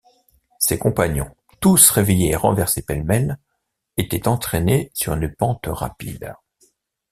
Ses compagnons, tous réveillés et renversés pêle-mêle, étaient entraînés sur une pente rapide.